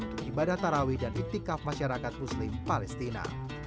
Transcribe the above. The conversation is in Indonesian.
untuk ibadah tarawih dan itikaf masyarakat muslim palestina